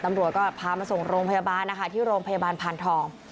ตำรวจก็พามาส่งโรงพยาบาลนะคะที่โรงพยาบาลพานทอง